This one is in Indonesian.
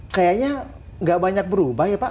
kayaknya nggak banyak berubah ya pak